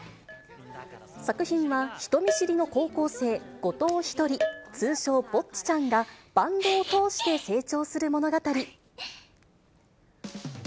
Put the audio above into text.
作品は、人見知りの高校生、後藤ひとり、通称ぼっちちゃんが、バンドを通して成長する物語。